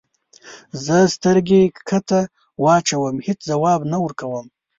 زه سترګې کښته واچوم هیڅ ځواب نه ورکوم.